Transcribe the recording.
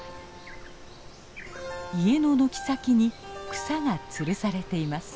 家の軒先に草がつるされています。